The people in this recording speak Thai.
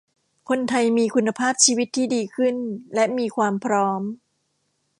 คนไทยมีคุณภาพชีวิตที่ดีขึ้นและมีความพร้อม